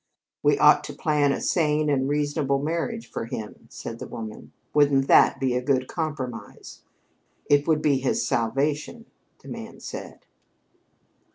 'We ought to plan a sane and reasonable marriage for him,' said the woman. 'Wouldn't that be a good compromise?' 'It would be his salvation,' the man said."